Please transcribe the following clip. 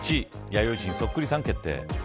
弥生人、そっくりさん決定。